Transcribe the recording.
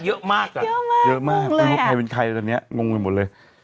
เยอะมากอ่ะเยอะมากไม่รู้ใครเป็นใครตอนนี้งงไปหมดเลย